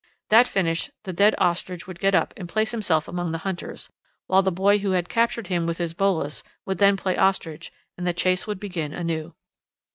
That finished, the dead ostrich would get up and place himself among the hunters, while the boy who had captured him with his bolas would then play ostrich, and the chase would begin anew.